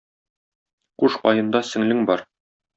Куш каенда сеңлең бар.